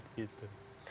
dan jihad gitu